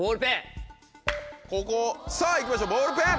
ここさぁ行きましょうボールペン。